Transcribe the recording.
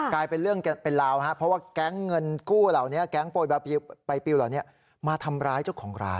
กลายเป็นเรื่องเป็นราวครับเพราะว่าแก๊งเงินกู้เหล่านี้แก๊งไปปิวเหล่านี้มาทำร้ายเจ้าของร้าน